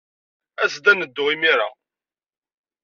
As-d ad neddu imir-a.